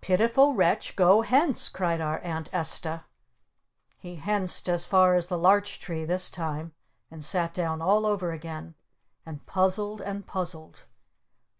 "Pitiful Wretch, go hence!" cried our Aunt Esta. He henced as far as the Larch Tree this time. And sat down all over again. And puzzled. And puzzled.